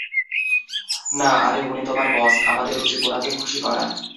না আরে উনি তোমার বস, আমাদের উচিত উনাকে খুশি করা।